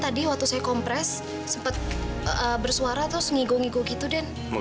jadi sekarang udah gak begitu banyak